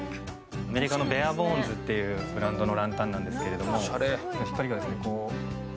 アメリカのベアボーンズというブランドのランタンなんですけど。